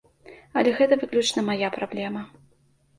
Але гэта выключна мая праблема.